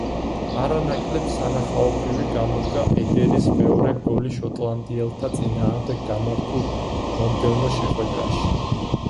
არანაკლებ სანახაობრივი გამოდგა ედერის მეორე გოლი შოტლანდიელთა წინააღმდეგ გამართულ მომდევნო შეხვედრაში.